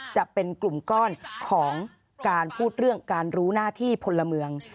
จะเป็นกลุ่มก้อนของการพูดเรื่องการรู้หน้าที่พลเมือง